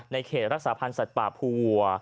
เขตรักษาพันธ์สัตว์ป่าภูวัว